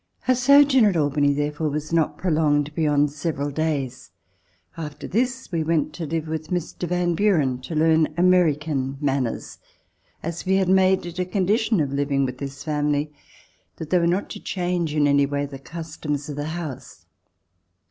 Our sojourn at Albany, therefore, was not prolonged beyond several days. After this, we went to live with Mr. Van Buren to learn American manners, as we had made it a condition of living with this family that they were not to change in any way the customs of the house.